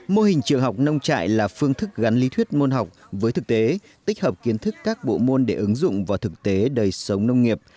mô hình trường học nông trại là phương thức gắn lý thuyết môn học với thực tế tích hợp kiến thức các bộ môn để ứng dụng vào thực tế đời sống nông nghiệp